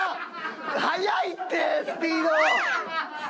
速いってスピード。